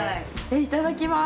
いただきます。